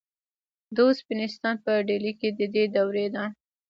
د اوسپنې ستن په ډیلي کې د دې دورې ده.